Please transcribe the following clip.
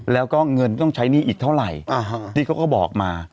แล้วก็เงินต้องใช้หนี้อีกเท่าไหร่ที่เขาก็บอกมา